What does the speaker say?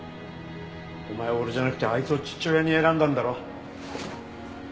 お前は俺じゃなくてあいつを父親に選んだんだろ。